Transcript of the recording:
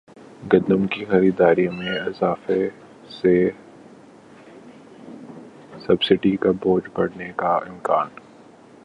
گندم کی خریداری میں اضافے سے سبسڈی کا بوجھ بڑھنے کا امکان